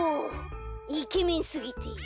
イケメンすぎてごめん。